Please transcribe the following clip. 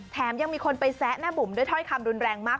แถมยังมีคนไปแซะแม่บุ๋มด้วยถ้อยคำรุนแรงมาก